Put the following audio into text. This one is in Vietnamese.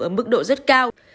ở mức độ rất cao